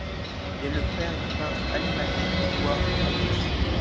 Il est le frère du peintre animalier Édouard Traviès.